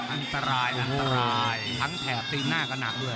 อันตรายทั้งแถวตีนหน้าก็หนักด้วย